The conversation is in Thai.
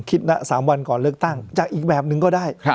คิดนะ๓วันก่อนเลือกตั้งจากอีกแบบนึงก็ได้